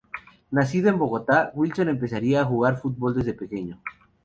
Nacido en Bogotá, Wilson empezaría a jugar fútbol desde pequeño.